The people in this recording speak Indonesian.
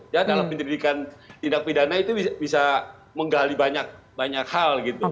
ya dalam penyelidikan tindak pidana itu bisa menggali banyak hal gitu